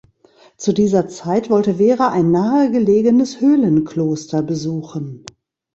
Zu dieser Zeit wollte Wera ein nahegelegenes Höhlenkloster besuchen.